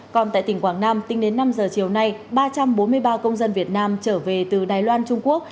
còn tại tỉnh quảng nam tính đến năm giờ chiều nay ba trăm bốn mươi ba công dân việt nam trở về từ đài loan trung quốc